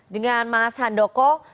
dengan mas handoko